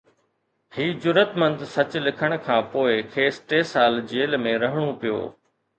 هي جرئتمند سچ لکڻ کان پوءِ کيس ٽي سال جيل ۾ رهڻو پيو